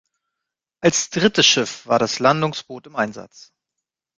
Als drittes Schiff war das Landungsboot im Einsatz.